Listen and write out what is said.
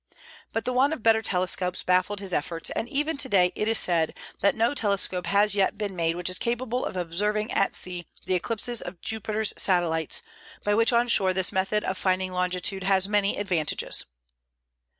But the want of better telescopes baffled his efforts; and even to day it is said "that no telescope has yet been made which is capable of observing at sea the eclipses of Jupiter's satellites, by which on shore this method of finding longitude has many advantages."